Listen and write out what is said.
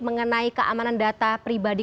mengenai keamanan data pribadi